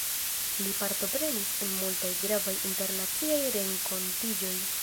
Li partoprenis en multaj gravaj internaciaj renkontiĝoj.